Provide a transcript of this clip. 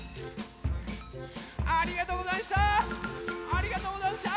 ありがとうござんした。